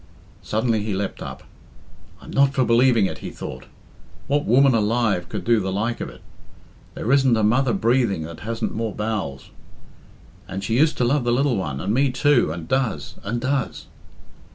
Suddenly he leapt up. "I'm not for believing it," he thought. "What woman alive could do the like of it? There isn't a mother breathing that hasn't more bowels. And she used to love the lil one, and me too and does, and does."